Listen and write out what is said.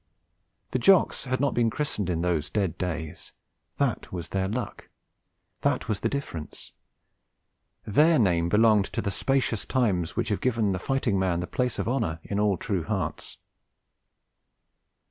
The Jocks had not been christened in those dead days; that was their luck; that was the difference. Their name belonged to the spacious times which have given the fighting man the place of honour in all true hearts.